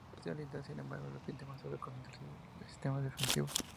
La vertiente oriental, sin embargo, de pendiente más suave, concentra el sistema defensivo.